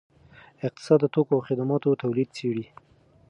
اقتصاد د توکو او خدماتو تولید څیړي.